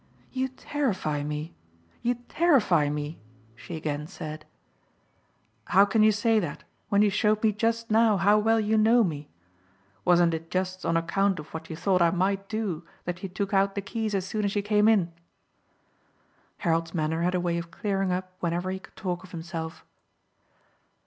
"You terrify me you terrify me," she again said. "How can you say that when you showed me just now how well you know me? Wasn't it just on account of what you thought I might do that you took out the keys as soon as you came in?" Harold's manner had a way of clearing up whenever he could talk of himself.